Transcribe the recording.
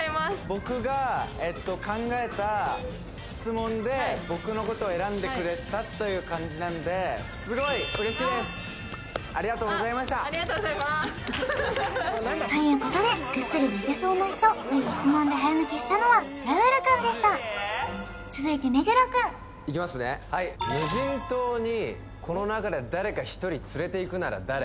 僕が考えた質問で僕のことを選んでくれたという感じなんでありがとうございましたありがとうございますということでぐっすり寝てそうな人という質問で早抜けしたのはラウールくんでした続いて目黒くんいきますねはい無人島にこの中で誰か一人連れて行くなら誰？